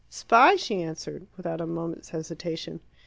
"Spy!" she answered, without a moment's hesitation.